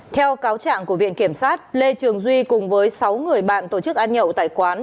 theo cáo trạng của viện kiểm sát lê trường duy cùng với sáu người bạn tổ chức ăn nhậu tại quán